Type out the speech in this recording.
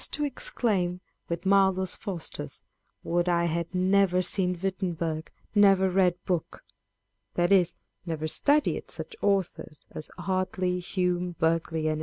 to exclaim with Marlowe's Fanstus â€" " Would I had never seen Wittenberg, never read book " â€" that is, never studied such authors as Hartley, Hume, Berkeley, &c.